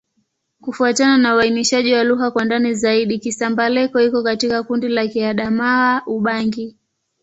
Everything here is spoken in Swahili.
Kufuatana na uainishaji wa lugha kwa ndani zaidi, Kisamba-Leko iko katika kundi la Kiadamawa-Ubangi.